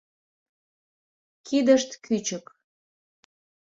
Кидышт кӱчык...